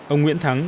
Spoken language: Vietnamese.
ông nguyễn thắng